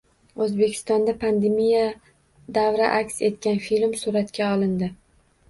Oʻzbekistonda pandemiya davri aks etgan film suratga olindi